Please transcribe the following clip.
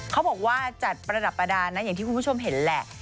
เขาบอกว่าจัดประดับประดาษนะอย่างที่คุณผู้ชมเห็นแหละ